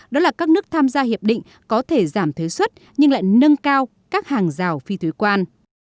đó là các nước tham gia hiệp định có thể giảm thuế xuất nhưng lại nâng cao các hàng rào phi thuế quan